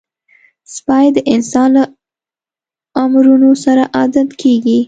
سپي د انسان له امرونو سره عادت کېږي.